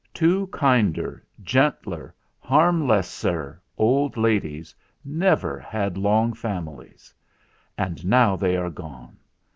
Two kinder, gentler, harmlesser old ladies never had long families. And now they are gone.